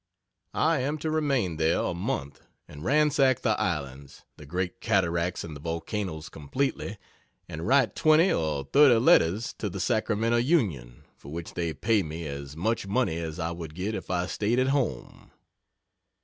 I am to remain there a month and ransack the islands, the great cataracts and the volcanoes completely, and write twenty or thirty letters to the Sacramento Union for which they pay me as much money as I would get if I staid at home.